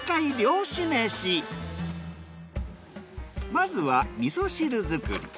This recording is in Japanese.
まずは味噌汁作り。